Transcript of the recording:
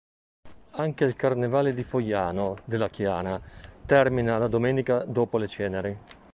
Anche il Carnevale di Foiano della Chiana termina la domenica dopo le Ceneri.